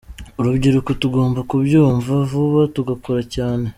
Urubyiruko tugomba kubyumva vuba tugakora cyane.